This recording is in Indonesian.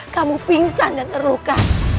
kamu pingsan dan terluka